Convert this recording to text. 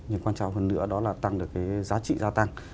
nhưng quan trọng hơn nữa đó là tăng được cái giá trị gia tăng